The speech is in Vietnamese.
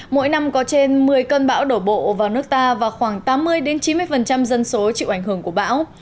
mỗi năm có trên một mươi cơn bão đổ bộ vào nước ta và khoảng tám mươi chín mươi dân số chịu ảnh hưởng của bão